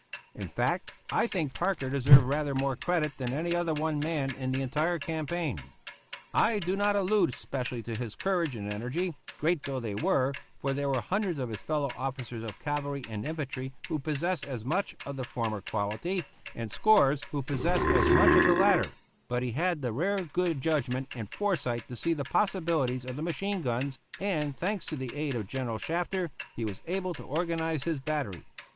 In fact, I think Parker deserved rather more credit than any other one man in the entire campaign. I do not allude especially to his courage and energy, great though they were, for there were hundreds of his fellow officers of the cavalry and infantry who possessed as much of the former quality, and scores who possessed as much of the latter; but he had the rare good judgment and foresight to see the possibilities of the machine guns, and, thanks to the aid of General Shafter, he was able to organize his battery.